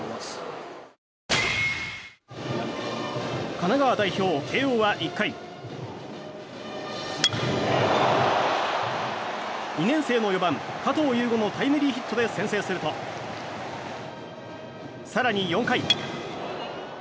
神奈川代表・慶應は１回２年生の４番、加藤右悟のタイムリーヒットで先制すると更に４回。